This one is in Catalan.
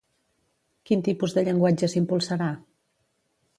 Quin tipus de llenguatge s'impulsarà?